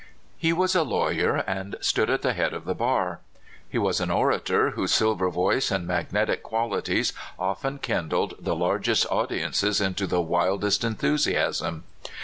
He was a lawyer, and stood at the head of the bar. He was an orator whose silver voice and magnetic qualities often kindled the largest audiences into 328 CALIFORNIA SKETCHES. the wildest enthusiasm.